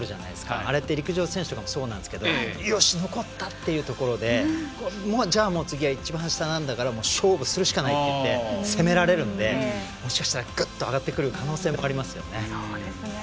あれって陸上選手とかそうですが残ったというところでじゃあ、次は一番下なんだから勝負するしかないって攻められるのでもしかしたらグッと上がってくる可能性もあります